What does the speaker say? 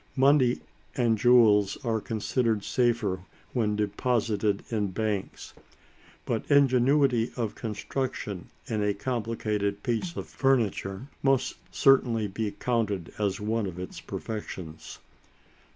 Money and jewels are considered safer when deposited in banks. But, ingenuity of construction in a complicated piece of furniture must certainly be counted as one of its perfections.